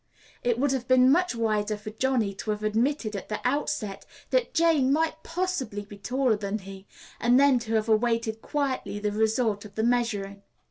It would have been much wiser for Johnny to have admitted at the outset that Jane might possibly be taller than he, and then to have awaited quietly the result of the measuring.